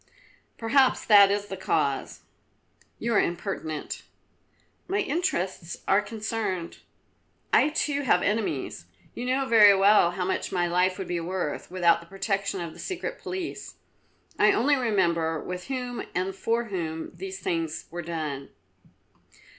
"Perhaps that is the cause." "You are impertinent." "My interests are concerned. I too have enemies. You know very well how much my life would be worth without the protection of the Secret Police. I only remember with whom and for whom these things were done."